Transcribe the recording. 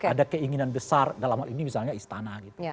ada keinginan besar dalam hal ini misalnya istana gitu